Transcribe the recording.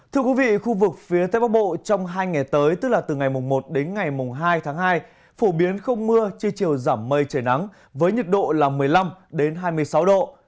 thưa quý vị khu vực phía tây bắc bộ trong hai ngày tới tức là từ ngày một đến ngày mùng hai tháng hai phổ biến không mưa chưa chiều giảm mây trời nắng với nhiệt độ là một mươi năm hai mươi sáu độ